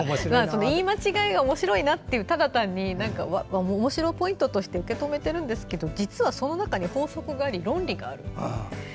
言い間違いがおもしろいとただ単におもしろポイントとして受け止めているんですけど実はその中に法則があり論理があるんです。